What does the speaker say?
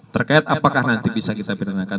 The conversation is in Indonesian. terkait apakah nanti bisa kita pidanakan